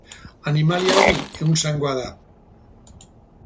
Animalia hori ehunzangoa da.